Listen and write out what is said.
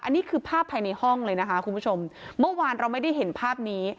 อันนี้คือภาพภายในห้องเลยนะคะคุณผู้ชมเมื่อวานเราไม่ได้เห็นภาพนี้